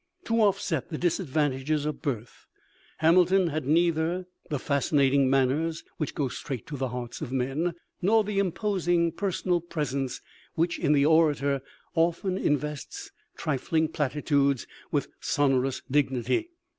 To offset the disadvantages of birth, Hamilton had neither the fascinating manners which go straight to the hearts of men, nor the imposing personal presence which in the orator often invests trifling platitudes with sonorous dignity.